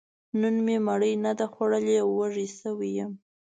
نن مې مړۍ نه ده خوړلې، وږی شوی يم